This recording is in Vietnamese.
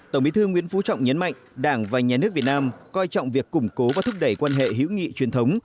tổng bí thư nguyễn phú trọng nhấn mạnh đảng và nhà nước việt nam coi trọng việc củng cố và thúc đẩy quan hệ hữu nghị truyền thống